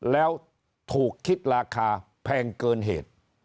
แล้วถูกคิดราคาแพงเกินเหตุ